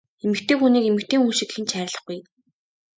Эмэгтэй хүнийг эмэгтэй хүн шиг хэн ч хайрлахгүй!